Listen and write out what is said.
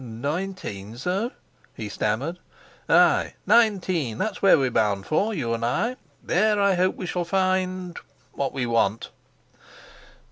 "Nineteen, sir?" he stammered. "Ay, nineteen. That's where we're bound for, you and I. There I hope we shall find what we want."